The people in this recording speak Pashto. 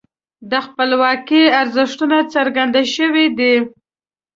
د خپلواکۍ ارزښتونه څرګند شوي دي.